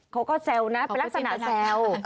เขาก็แซวนะเป็นลักษณะแซว